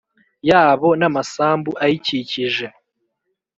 Yabo n amasambu ayikikije